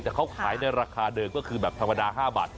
แต่เขาขายในราคาเดิมก็คือแบบธรรมดา๕บาท